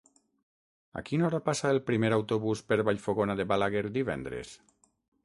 A quina hora passa el primer autobús per Vallfogona de Balaguer divendres?